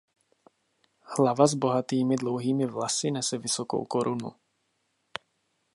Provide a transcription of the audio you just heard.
Hlava s bohatými dlouhými vlasy nese vysokou korunu.